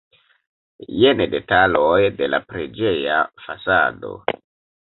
Jen detaloj de la preĝeja fasado.